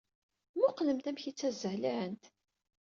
Mmuqqlemt amek ay ttazzalent!